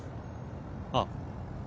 あっ。